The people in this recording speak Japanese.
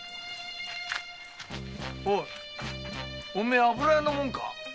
おうお前油屋のもんか？